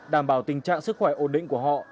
đảm bảo tình trạng sức khỏe ổn định của họ